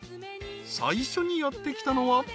［最初にやってきたのは］